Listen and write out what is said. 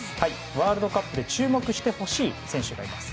ワールドカップで注目してほしい選手がいます。